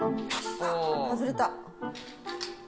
外れた。